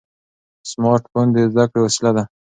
سمارټ فون د زده کړې وسیله ده.